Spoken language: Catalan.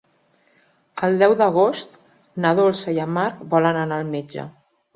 El deu d'agost na Dolça i en Marc volen anar al metge.